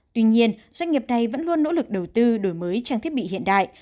tuy nhiên doanh nghiệp này vẫn luôn nỗ lực đầu tư đổi mới trang thiết bị hiện đại